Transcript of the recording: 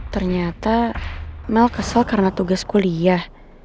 ternyata mel kesel karena tugas kuliah